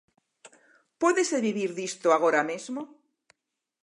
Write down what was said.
Pódese vivir disto agora mesmo?